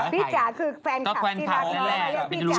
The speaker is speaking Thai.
พี่จ๋าคือแฟนคลับที่รักน้องพี่จ๋าคือพี่จ๋าค่ะพี่จ๋าคือแฟนคลับที่รักน้อง